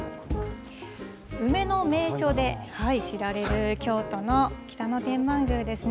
梅の名所で知られる京都の北野天満宮ですね。